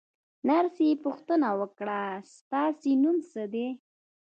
نرسې پوښتنه وکړه: ستاسې نوم څه دی؟